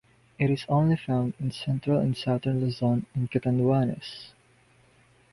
It is only found in Central and Southern Luzon and Catanduanes.